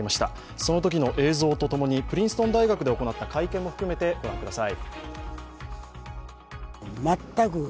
そのときの映像と共に、プリンストン大学で行った会見も含めて御覧ください。